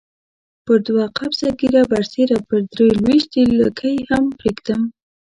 پر دوه قبضه ږیره برسېره به درې لويشتې لکۍ هم پرېږدم.